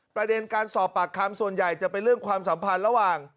ประเด็นการสอบปากคำส่วนใหญ่จะเป็นเรื่องความสัมพันธ์ระหว่าง